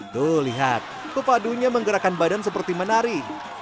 tuh lihat pepadunya menggerakkan badan seperti menari